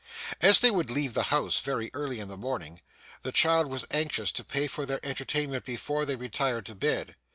As they would leave the house very early in the morning, the child was anxious to pay for their entertainment before they retired to bed.